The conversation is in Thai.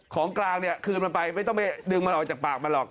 ของกลางเนี่ยคืนมันไปไม่ต้องไปดึงมันออกจากปากมันหรอก